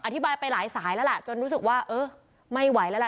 อธิบายไปหลายสายแล้วล่ะจนรู้สึกว่าเออไม่ไหวแล้วล่ะ